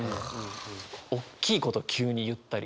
大きいこと急に言ったりとか。